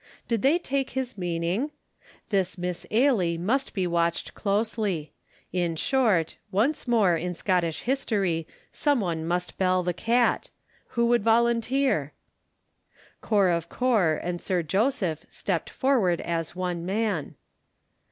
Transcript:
Did they take his meaning? This Miss Ailie must be watched closely. In short, once more, in Scottish history, someone must bell the cat. Who would volunteer? Corp of Corp and Sir Joseph stepped forward as one man.